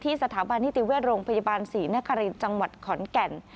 ที่สถาบันทิติเวียดรงค์พยาบาล๔นคริงจังหวัดขอนแก่น